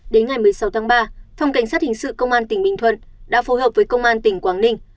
đến ngày một mươi sáu tháng ba phòng cảnh sát hình sự công an tỉnh bình thuận đã phối hợp với công an tỉnh quảng ninh